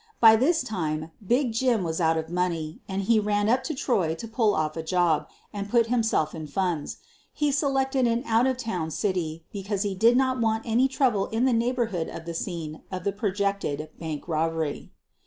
By this time "Big Jim" was out of money, and he ran up to Troy to pull off a job and put him self in funds. He selected an out of town city be cause he didn't want any trouble in the neighbor hood of the scene of the projected bank robbery.